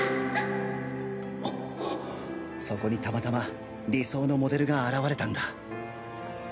そこにたまたま理想のモデルが現れたんだ。